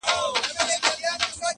خوب مي دی لیدلی جهاني ریشتیا دي نه سي٫